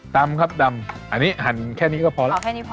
ดำครับดำอันนี้หั่นแค่นี้ก็พอแล้วเอาแค่นี้พอ